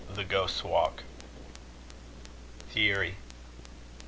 THE GHOST'S WALK. Thierry.